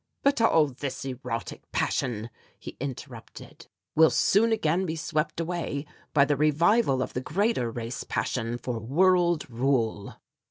"But all this erotic passion," he interrupted, "will soon again be swept away by the revival of the greater race passion for world rule."